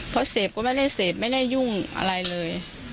เพราะเสพก็ไม่ได้เสพไม่ได้ยุ่งอะไรเลย